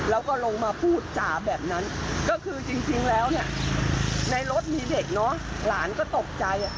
แล้วก็ลงมาพูดจ่าแบบนั้นก็คือจริงแล้วเนี่ยในรถมีเด็กเนอะหลานก็ตกใจ